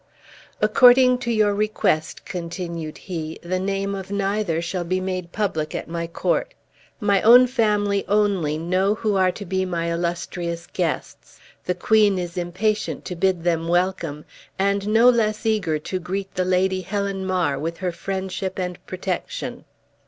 "According to your request," continued he, "the name of neither shall be made public at my court. My own family only know who are to be my illustrious guests. The queen is impatient to bid them welcome, and no less eager to greet the Lady Helen Mar with her friendship and protection."